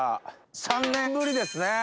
３年ぶりですね